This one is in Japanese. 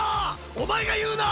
お前が言うな！